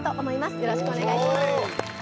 よろしくお願いします